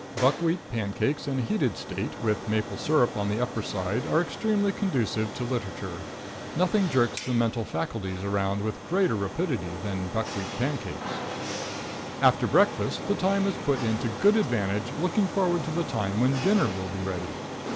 Buckwheat pancakes in a heated state, with maple syrup on the upper side, are extremely conducive to literature. Nothing jerks the mental faculties around with greater rapidity than buckwheat pancakes. After breakfast the time is put in to good advantage looking forward to the time when dinner will be ready.